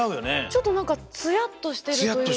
ちょっとなんかツヤっとしてるというか。